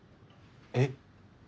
えっ？